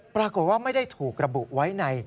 ปรากฏว่าไม่ได้ถูกระบุไว้ใน